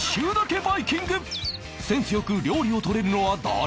センス良く料理を取れるのは誰？